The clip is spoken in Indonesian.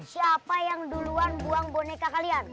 siapa yang duluan buang boneka kalian